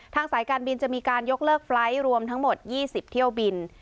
สายการบินจะมีการยกเลิกไฟล์ทรวมทั้งหมด๒๐เที่ยวบิน